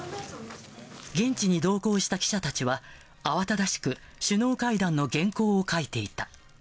現地に同行した記者たちは、慌ただしく首脳会談の原稿を書いていた。